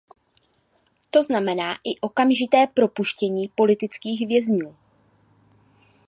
To znamená i okamžité propuštění politických vězňů.